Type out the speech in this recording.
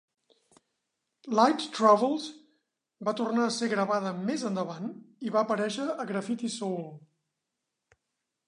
"Light Travels" va tornar a ser gravada més endavant i va aparèixer a Graffiti Soul.